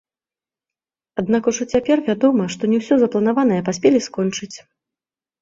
Аднак ужо цяпер вядома, што не ўсё запланаванае паспелі скончыць.